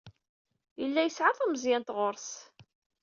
Yella yesɛa tameẓyant ɣer-s.